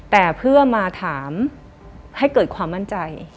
แต่เพื่อมาถามให้เกิดความมั่นใจ